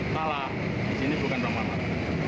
salah disini bukan bang mamat